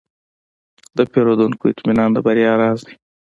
د پیرودونکو اطمینان د بریا راز دی.